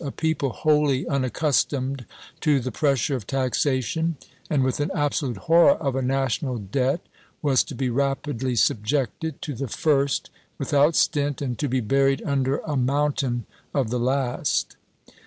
A people wholly unaccustomed to the pressure of taxation, and with an absolute horror of a national debt, was to be rapidly subjected to the first without stint, and to be buried under a mountain of the last.